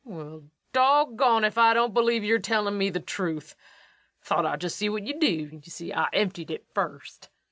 Well, doggone if I don't believe yer tellin' me the truth. Thought I'd just see what ye'd do. Ye see, I emptied it first.